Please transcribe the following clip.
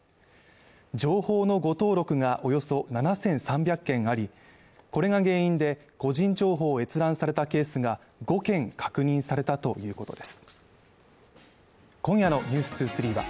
情報の誤登録がおよそ７３００件あり、これが原因で個人情報を閲覧されたケースが５件確認されたということです。